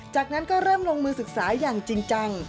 จากนั้นก็เริ่มลงมือศึกษาอย่างจริงจัง